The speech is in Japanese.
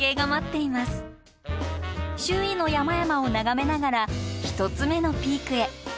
周囲の山々を眺めながら１つ目のピークへ。